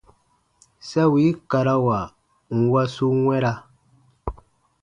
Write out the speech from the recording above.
Sa wii karawa nwa su wɛ̃ra.